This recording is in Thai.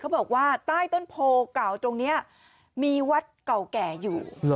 บอกว่าใต้ต้นโพเก่าตรงนี้มีวัดเก่าแก่อยู่